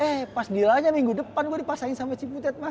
eh pas gilanya minggu depan gue dipasangin sama cibutet mas